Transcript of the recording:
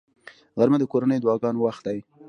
غرمه د کورنیو دعاګانو وخت دی